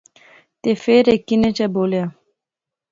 تے فیر ہیک انیں چا بولیا